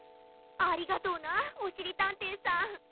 ありがとうなおしりたんていさん。